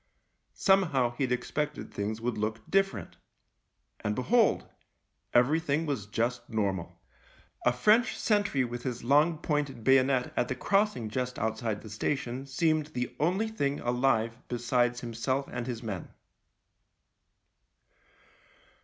Somehow he'd expected things would look different — and behold ! everything was just normal. A French sentry with his THE LIEUTENANT n long pointed bayonet at the crossing just outside the station seemed the only thing alive besides himself and his men.